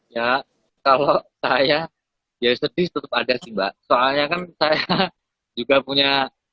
ya kalau saya ya sedih tetap ada sih mbak soalnya kan saya juga punya